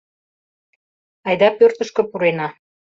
— Айда пӧртышкӧ пурена.